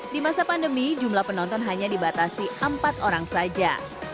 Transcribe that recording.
di masa pandemi jumlah penonton hanya dibatasi empat orang saja